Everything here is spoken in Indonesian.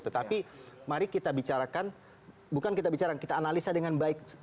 tetapi mari kita bicarakan bukan kita bicara kita analisa dengan baik